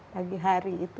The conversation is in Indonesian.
pagi hari itu